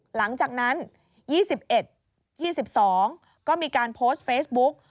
หลังจากนั้น๒๑๒๒ก็มีการโพสต์เฟซบุ๊ก